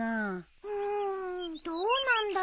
うんどうなんだろ。